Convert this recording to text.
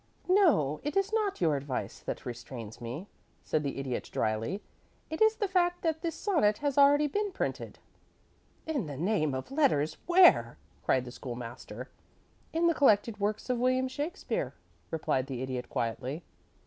"No, it is not your advice that restrains me," said the Idiot, dryly. "It is the fact that this sonnet has already been printed." "In the name of Letters, where?" cried the School master. "In the collected works of William Shakespeare," replied the Idiot, quietly.